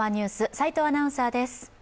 齋藤アナウンサーです。